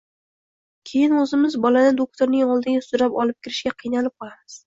keyin o‘zimiz bolani doktorning oldiga sudrab olib kirishga qiynalib qolamiz.